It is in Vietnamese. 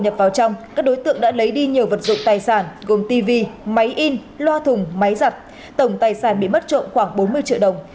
phật dụng tài sản gồm tv máy in loa thùng máy giặt tổng tài sản bị mất trộm khoảng bốn mươi triệu đồng